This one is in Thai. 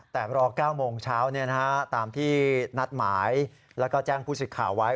แต่รอ๙โมงเช้าตามที่นัดหมายแล้วก็แจ้งผู้สิทธิ์ข่าวไว้